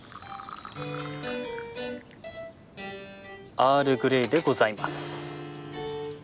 アールグレイでございます。